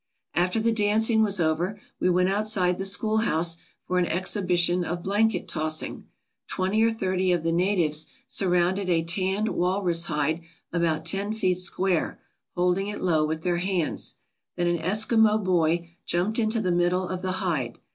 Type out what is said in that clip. After the dancing was over we went outside the school house for an exhibition of blanket tossing. Twenty or thirty of the natives surrounded a tanned walrus hide about ten feet square, holding it low with their hands. Then an Eskimo boy jumped into the middle of the hide.